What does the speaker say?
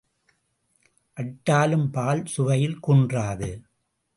அட்டாலும் பால் சுவையில் குன்றாது.